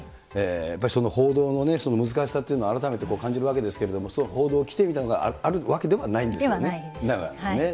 やっぱり報道の難しさっていうのを改めて感じるわけですけれども、報道規定みたいなのがあるわけではないんですね。ではないです。なかったです。